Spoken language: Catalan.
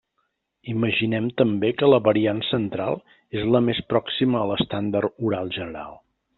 Imaginem també que la variant central és la més pròxima a l'estàndard oral general.